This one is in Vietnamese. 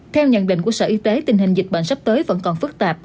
theo nhận định của sở y tế tình hình dịch bệnh sắp tới vẫn còn phức tạp